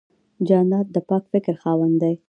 جانداد د پاک فکر خاوند دی.